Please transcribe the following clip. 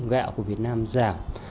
gạo của việt nam giảm